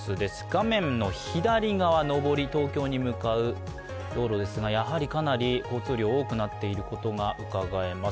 画面の左側、上り、東京に向かう道路ですがかなり交通量が多くなっていることが伺えます。